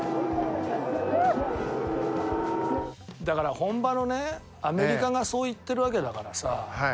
だから、本場のね、アメリカがそう言ってるわけだからさ。